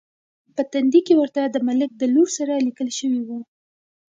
په تندي کې ورته د ملک د لور سره لیکل شوي و.